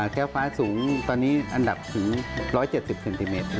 แก้วฟ้าสูงตอนนี้อันดับถึง๑๗๐เซนติเมตร